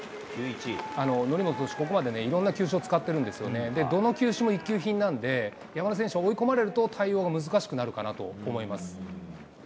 則本投手、ここまでいろんな球種を使ってるんですけどね、どの球種も一級品なんで、山田選手は追い込まれると、対応が難しくなるかなと思います。